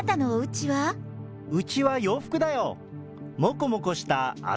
うちは洋服だよ。